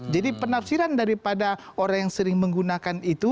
jadi penafsiran daripada orang yang sering menggunakan itu